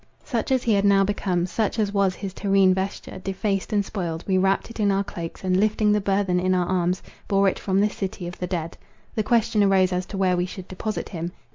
Such as he had now become, such as was his terrene vesture, defaced and spoiled, we wrapt it in our cloaks, and lifting the burthen in our arms, bore it from this city of the dead. The question arose as to where we should deposit him.